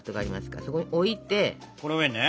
この上にね？